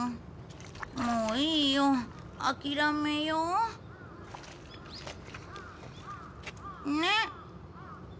もういいよ、諦めよう。ね？